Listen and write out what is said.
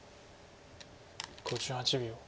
５８秒。